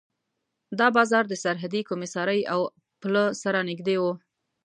دا بازار د سرحدي کمېسارۍ او پله سره نږدې و.